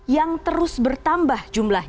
yang terus bertambah